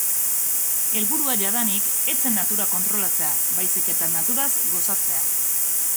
Helburua jadanik ez zen natura kontrolatzea, baizik eta naturaz gozatzea.